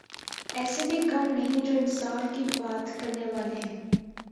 ایسے بھی کم نہیں جو انصاف کی بات کرنے والے ہیں۔